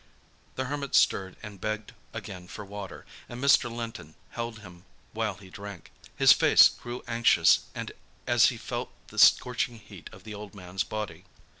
The Hermit stirred and begged again for water, and Mr. Linton held him while he drank. His face grew anxious as he felt the scorching heat of the old man's body.